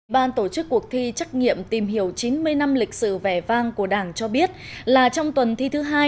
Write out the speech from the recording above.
ban tổ chức cuộc thi trắc nghiệm tìm hiểu chín mươi năm lịch sử vẻ vang của đảng cho biết là trong tuần thi thứ hai